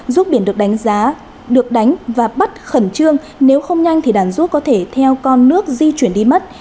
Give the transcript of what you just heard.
rút biển được đánh và bắt khẩn trương nếu không nhanh thì đàn ruốc có thể theo con nước di chuyển đi mất